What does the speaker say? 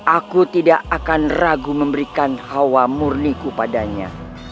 aku tidak akan ragu memberikan hawa murniku padanya